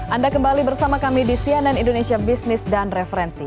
anda kembali bersama kami di cnn indonesia business dan referensi